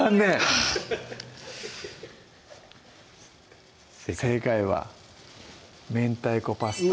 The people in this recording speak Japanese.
ハァーッ正解は「明太子パスタ」